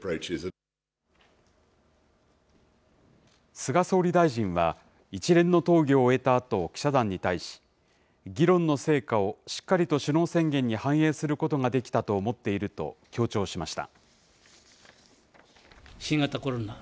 菅総理大臣は、一連の討議を終えたあと、記者団に対し、議論の成果をしっかりと首脳宣言に反映することができたと思っていると強調しました。